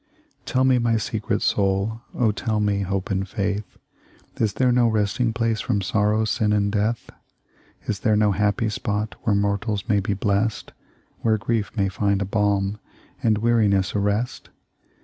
"Tell me, my secret soul, Oh, tell me, Hope and Faith. Is there no resting place From sorrow, sin, and death? Is there no happy spot Where mortals may be blessed, Where grief may find a balm And weariness a rest?